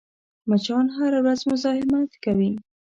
مچان هره ورځ مزاحمت کوي